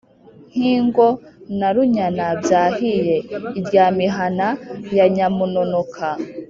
nkingo na runyana byahiye, irya mihana ya nyamunonoka